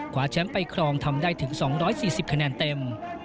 แชมป์ไปครองทำได้ถึง๒๔๐คะแนนเต็ม